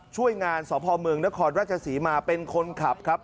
ช่วยงานสพเมืองนครราชศรีมาเป็นคนขับครับ